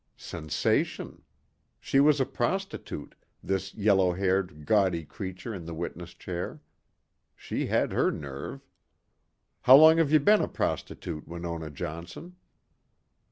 Sensation. She was a prostitute, this yellow haired, gaudy creature in the witness chair. She had her nerve. How long have you been a prostitute, Winona Johnson?